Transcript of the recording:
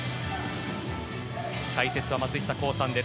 解説は松久功さんです。